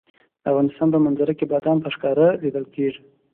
د افغانستان په منظره کې بادام په ښکاره لیدل کېږي.